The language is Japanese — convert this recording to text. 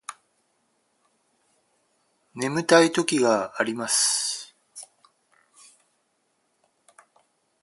眠たい時があります